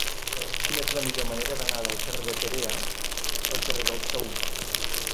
Quina és la millor manera d'anar del carrer de Perea al carrer del Saüc?